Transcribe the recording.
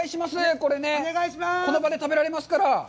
これね、この場で食べられますから。